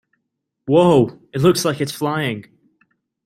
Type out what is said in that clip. Wow! It looks like it is flying!